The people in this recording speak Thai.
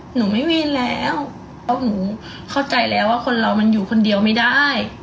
หนูไม่มีแล้วเพราะหนูเข้าใจแล้วว่าคนเรามันอยู่คนเดียวไม่ได้